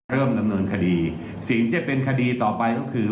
เริ่มดำเนินคดีสิ่งที่เป็นคดีต่อไปก็คือ